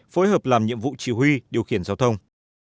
phối hợp làm nhiệm vụ chỉ huy điều khiển giao thông